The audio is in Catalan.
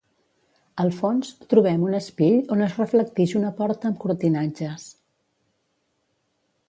Al fons, trobem un espill on es reflectix una porta amb cortinatges.